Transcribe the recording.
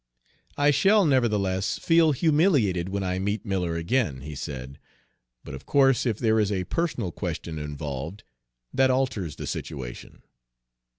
"I shall nevertheless feel humiliated when I meet Miller again," he said, "but of course if there is a personal question involved, that alters the situation.